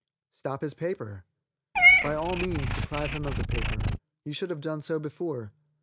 Stop his paper. By all means deprive him of the paper. You should have done so before.